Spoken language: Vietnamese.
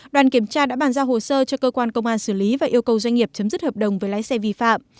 đoàn kiểm tra đã bàn giao hồ sơ cho cơ quan công an xử lý và yêu cầu doanh nghiệp chấm dứt hợp đồng với lái xe vi phạm